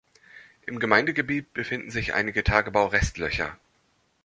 Im Gemeindegebiet befinden sich einige Tagebaurestlöcher.